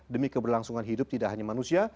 demi keberlangsungan hidup tidak hanya manusia